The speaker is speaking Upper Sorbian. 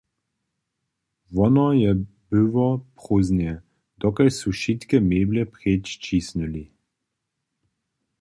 Wono je było prózdne, dokelž su wšitke meble preč ćisnyli.